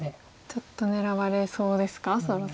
ちょっと狙われそうですかそろそろ。